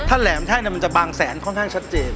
ถ้าแหลมแท่งมันจะบางแสนค่อนข้างชัดเจน